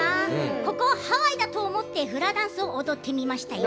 ここをハワイだと思ってフラダンスを踊ってみましたよ。